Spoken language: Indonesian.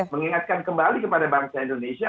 mengingatkan kembali kepada bangsa indonesia